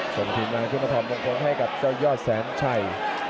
ส่งทีมมาขึ้นมาคอมทรงควรให้กับเจ้ายอดแสนไช